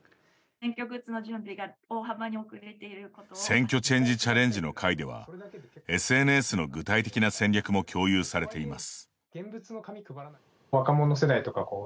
選挙チェンジチャレンジの会では、ＳＮＳの具体的な戦略も共有されています。